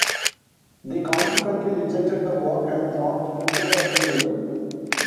They consequently rejected the work and dropped Wilco from the label.